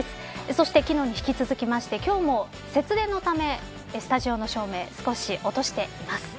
そして昨日に引き続きまして今日も節電のためスタジオの照明少し落としています。